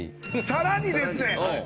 さらにですね